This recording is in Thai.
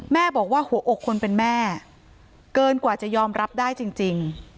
แม่บอกว่าหัวอกคนเป็นแม่เกินกว่าจะยอมรับได้จริง